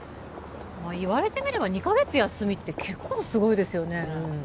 まあ言われてみれば２カ月休みって結構すごいですよねうん